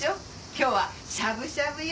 今日はしゃぶしゃぶよ。